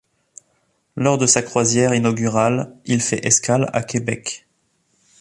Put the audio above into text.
Lors de sa croisière inaugurale, il fait escale à Québec.